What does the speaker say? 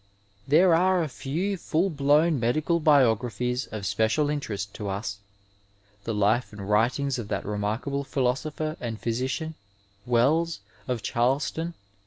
There are a few full blown medical biographies of special interest to us : The life and writings of that remarkable philosopher and physician, Wells, of Charleston.